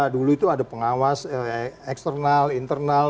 dulu itu ada pengawas eksternal internal